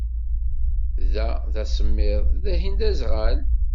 Da d asemmiḍ, dahin d aẓɣal.